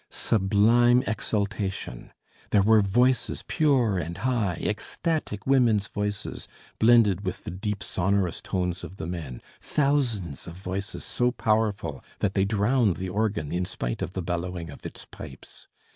Sublime exultation! There were voices pure and high, ecstatic women's voices, blended with the deep sonorous tones of the men, thousands of voices so powerful that they drowned the organ in spite of the bellowing of its pipes.